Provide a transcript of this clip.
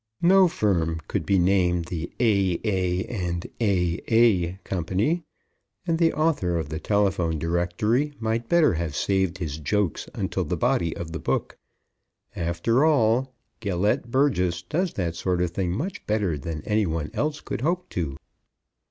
No firm could be named the A. & A.A. Co., and the author of the telephone directory might better have saved his jokes until the body of the book. After all, Gelett Burgess does that sort of thing much better than any one else could hope to.